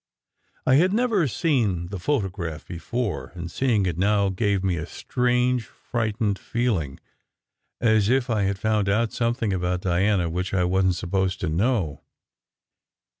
I had never seen the photograph before, and seeing it now gave me a strange frightened feeling, as if I had found out something about Diana which I wasn t supposed to know.